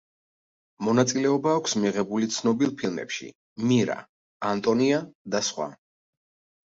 მონაწილეობა აქვს მიღებული ცნობილ ფილმებში: „მირა“, „ანტონია“ და სხვა.